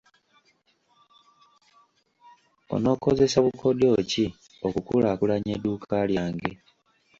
Onookozesa bukodyo ki okukulaakulanya edduuka lyange.